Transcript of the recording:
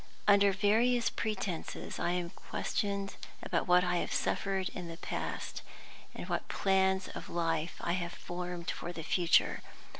Under various pretenses I am questioned about what I have suffered in the past, and what plans of life I have formed for the future.